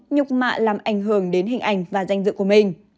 nhục mạ làm ảnh hưởng đến hình ảnh và danh dự của mình